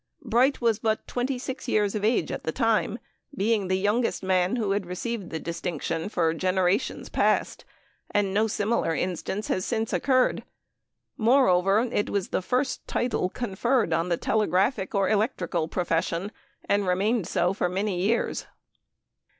Bright was but twenty six years of age at the time, being the youngest man who had received the distinction for generations past, and no similar instance has since occurred. Moreover, it was the first title conferred on the telegraphic or electrical profession, and remained so for many years.